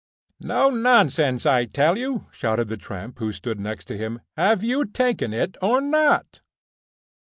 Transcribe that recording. "No; nonsense, I tell you!" shouted the tramp who stood next to him. "Have you taken it or not?"